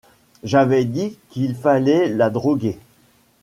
J’avais dit qu’il fallait la droguer.